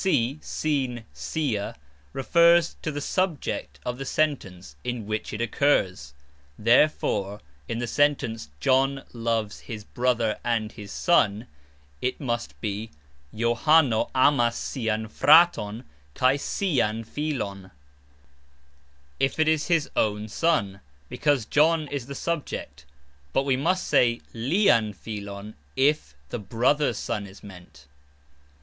"Si" ("sin, sia") refers to the "subject" of the sentence in which it occurs; therefore in the sentence "John loves his brother and his son," it must be "Johano amas sian fraton kaj sian filon" if it is his own (John's) son, because John is the subject, but we must say "lian filon" if the brother's son is meant.